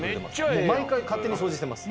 もう毎回勝手に掃除してます。